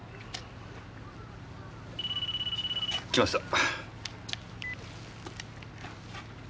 来ました。